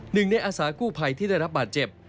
หนึ่งในอาสากู้ภัยที่ได้รับบาดเจ็บ